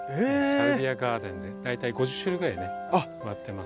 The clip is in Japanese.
サルビアガーデンで大体５０種類ぐらい植わってます。